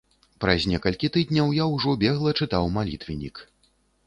Праз некалькі тыдняў я ўжо бегла чытаў малітвеннік.